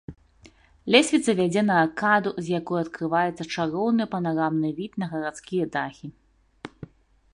Лесвіца вядзе на аркаду, з якой адкрываецца чароўны панарамны від на гарадскія дахі.